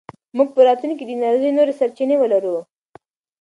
موږ به په راتلونکي کې د انرژۍ نورې سرچینې ولرو.